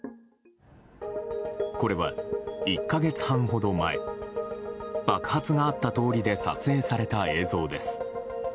これは１か月半ほど前爆発があった通りで撮影された映像です。